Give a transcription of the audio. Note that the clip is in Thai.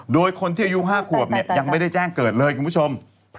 โดยคนที่อายุ๕ขวบเนี่ยยังไม่ได้แจ้งเกิดเลยคุณผู้ชม